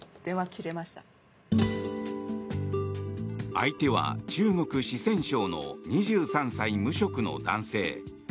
相手は中国・四川省の２３歳、無職の男性。